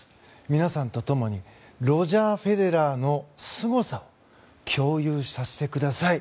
皆さんと共にロジャー・フェデラーのすごさを共有させてください。